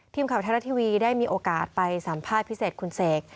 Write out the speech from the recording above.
ทีมข่าวไทยรัฐทีวีได้มีโอกาสไปสัมภาษณ์พิเศษคุณเสก